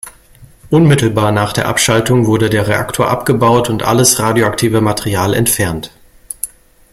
Unmittelbar nach der Abschaltung wurde der Reaktor abgebaut und alles radioaktive Material entfernt.